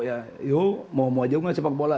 ya mau mau aja gue sepak bola